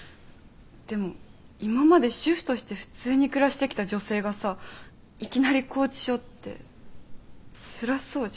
でも今まで主婦として普通に暮らしてきた女性がさいきなり拘置所ってつらそうじゃん。